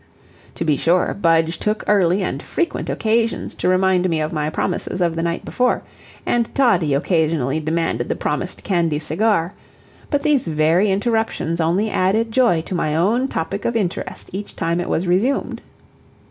To be sure, Budge took early and frequent occasions to remind me of my promises of the night before, and Toddie occasionally demanded the promised candy cigar; but these very interruptions only added joy to my own topic of interest each time it was resumed.